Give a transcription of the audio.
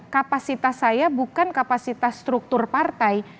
kapasitas saya bukan kapasitas struktur partai